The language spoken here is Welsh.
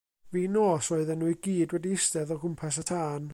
Fin nos roedden nhw i gyd wedi eistedd o gwmpas y tân.